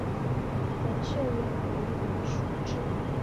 文秀雅为人熟知。